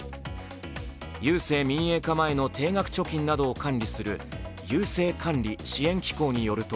郵政民営化前の定額貯金などを管理する郵政管理・支援機構によると